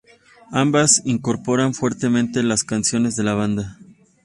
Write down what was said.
Ambas incorporan fuertemente las canciones de la banda.